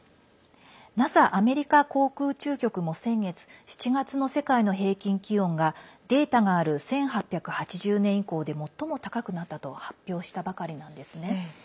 ＮＡＳＡ＝アメリカ航空宇宙局も先月、７月の世界の平均気温がデータがある１８８０年以降で最も高くなったと発表したばかりなんですね。